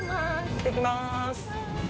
いってきます。